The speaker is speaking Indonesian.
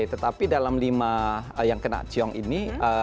tetapi dalam lima yang kena ciong ini